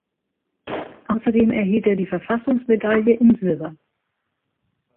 Außerdem erhielt er die Verfassungsmedaille in Silber.